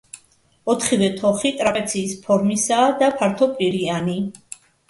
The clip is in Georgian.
ოთხივე თოხი ტრაპეციის ფორმისაა და ფართოპირიანი.